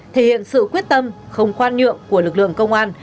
thể hiện sự quyết tâm không khoan nhượng của lực lượng công an